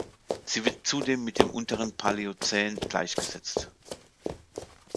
Sie wird zudem mit dem Unteren Paläozän gleichgesetzt.